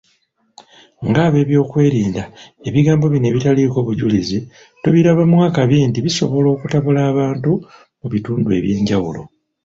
Ng'abeebyokwerinda, ebigambo bino ebitaliko bujulizi, tubirabamu akabi nti bisobola okutabula abantu mu bitundu ebyenjawulo.